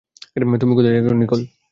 তুমি কোথায় থাকো, নিকোল?